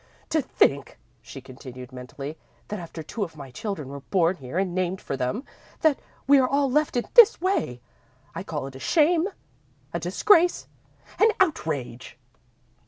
"To think," she continued, mentally, "that after two of my children were born here and named for them, that we are left in this way! I call it a shame, a disgrace, an outrage!"